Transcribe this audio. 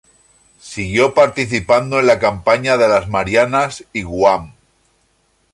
Siguió participando en la campaña de las Marianas y Guam.